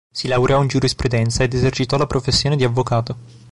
Si laureò in giurisprudenza ed esercitò la professione di avvocato.